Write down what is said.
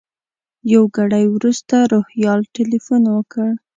یو ګړی وروسته روهیال تیلفون وکړ.